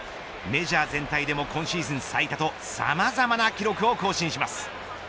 メジャー全体でも今シーズン最多とさまざまな記録を更新します。